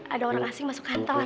ada orang asing masuk kantor